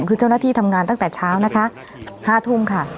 คือเจ้าหน้าที่ทำงานตั้งแต่เช้านะคะ๕ทุ่มค่ะ